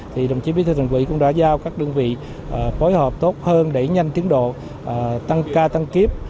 thì đồng chí bí thư thành ủy cũng đã giao các đơn vị phối hợp tốt hơn để nhanh tiến độ tăng ca tăng kiếp